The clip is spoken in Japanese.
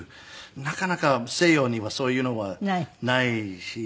なかなか西洋にはそういうのはないし。